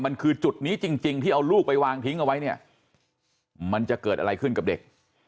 มันคือจุดนี้จริงที่เอาลูกไปวางทิ้งเอาไว้เนี่ยมันจะเกิดอะไรขึ้นกับเด็ก